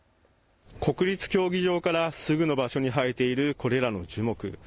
国立競技場からすぐの場所に生えているこれらの樹木。